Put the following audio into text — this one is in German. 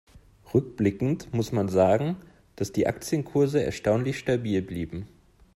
Rückblickend muss man sagen, dass die Aktienkurse erstaunlich stabil blieben.